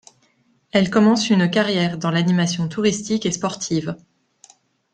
Elle commence une carrière dans l'animation touristique et sportive.